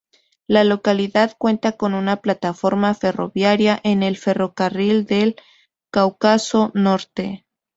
La localidad cuenta con una plataforma ferroviaria en el ferrocarril del Cáucaso Norte.